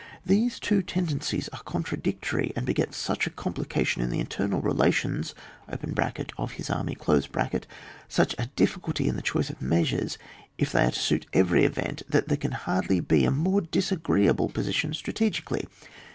These two tendencies are con tradictory, and beget such a complication in the internal relations (of his army), such a difficulty in the choice of mea sures, if they are to suit every event, that there can hardly be a more dis agreeable position strategically.